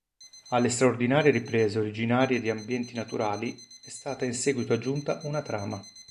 Alle straordinarie riprese originarie di ambienti naturali è stata in seguito aggiunta una trama.